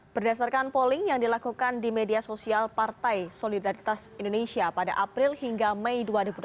berdasarkan polling yang dilakukan di media sosial partai solidaritas indonesia pada april hingga mei dua ribu delapan belas